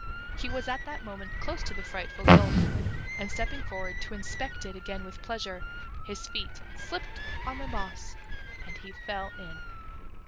He was at that moment close to the frightful gulf, and stepping forward to inspect it again with pleasure, his feet slipped on the moss, and he fell in.